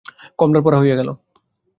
কমলার পড়া হইয়া গেল।